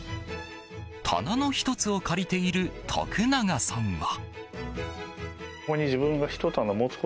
棚の１つを借りている徳永さんは。